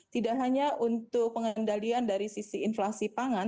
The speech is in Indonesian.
tidak hanya untuk pengendalian dari sisi inflasi pangan